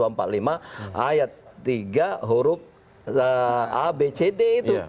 ayat tiga huruf abcd itu